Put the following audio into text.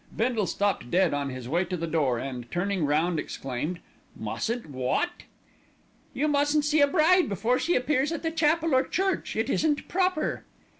Bindle stopped dead on his way to the door and, turning round, exclaimed, "Mustn't wot?" "You mustn't see a bride before she appears at the chapel or church. It isn't proper."